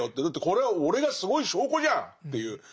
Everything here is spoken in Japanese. だってこれは俺がすごい証拠じゃんっていう。